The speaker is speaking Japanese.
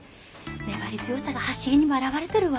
粘り強さが走りにも表れてるわ。